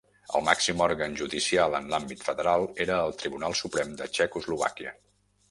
El màxim òrgan judicial en l'àmbit federal era el Tribunal Suprem de Txecoslovàquia.